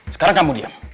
sekarang kamu diam